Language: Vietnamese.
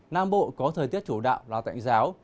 nam bộ có thời tiết chủ đạo là tạnh giáo